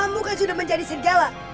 kamu kan sudah menjadi serigala